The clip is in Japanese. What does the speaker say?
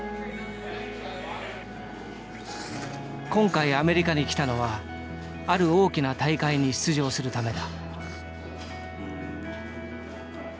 今回アメリカに来たのはある大きな大会に出場するためだ。